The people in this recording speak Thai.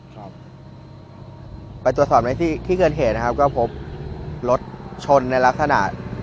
ครับไปตรวจสอบในที่เกิดเหตุนะครับก็พบรถชนในลักษณะ